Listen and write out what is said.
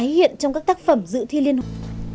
hiện trong các tác phẩm dự thi liên hồn